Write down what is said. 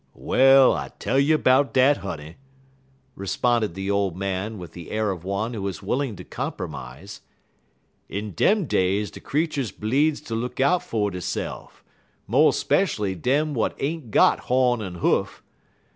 "Well, I tell you 'bout dat, honey," responded the old man, with the air of one who is willing to compromise. "In dem days de creeturs bleedz ter look out fer deyse'f, mo' speshually dem w'at ain't got hawn en huff.